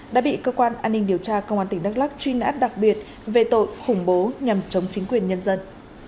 đã bị cơ quan an ninh điều tra công an tp hcm truy nã đặc biệt về tội khủng bố nhằm chống chính quyền nhân dân